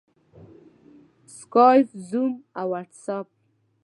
سکایپ، زوم او واټساپ